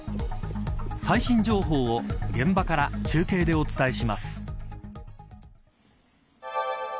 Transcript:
最新情報を現場から中継でお伝えします。